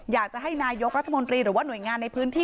อยากจะให้นายกรัฐมนตรีหรือว่าหน่วยงานในพื้นที่